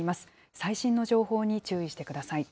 最新の情報に注意してください。